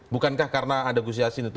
bukankah karena ada gus yassin itu